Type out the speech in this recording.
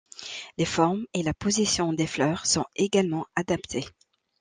Les formes et la position des fleurs sont également adaptées.